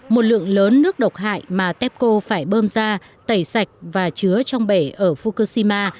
một lượng lớn nước độc hại mà tepco phải bơm ra tẩy sạch và chứa trong bể ở fukushima